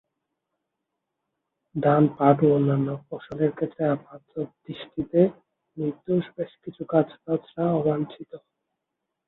ধান, পাট ও অন্যান্য ফসলের ক্ষেতে আপাতদৃষ্টিতে নির্দোষ বেশ কিছু গাছগাছড়া অবাঞ্ছিত।